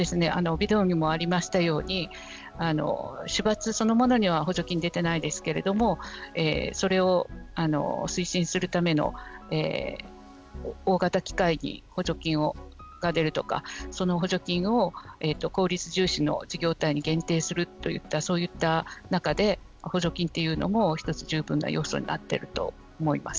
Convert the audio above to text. ビデオにもありましたように主伐そのものには補助金は出ていないですけれどもそれを推進するための大型機械に補助金が出るとかその補助金を効率重視の事業体に限定するといったそういった中で補助金というのもひとつ十分な要素になっていると思います。